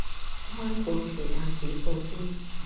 芒果奇亞籽布甸